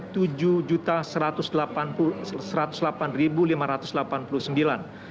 yang tersebar di dua puluh tiga tps itu